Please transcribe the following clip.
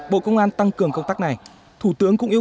bộ công an tăng cường công tác này